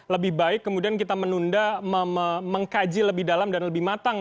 lebih baik kemudian kita menunda mengkaji lebih dalam dan lebih matang